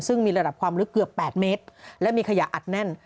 ซึ่งมีระดับความลึกเกือบ๘เมตรและมีขยะอัดแน่น